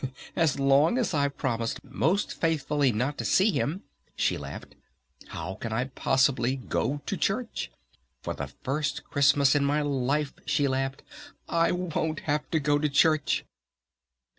"As long as I've promised most faithfully not to see him," she laughed, "how can I possibly go to church? For the first Christmas in my life," she laughed, "I won't have to go to church!"